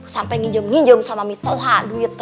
sampai nginjem ninjem sama mitoha duitnya